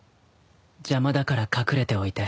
邪魔だから隠れておいて。